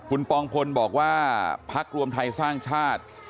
คุณปองพลบอกว่าพักรวมไทยสร้างชาติ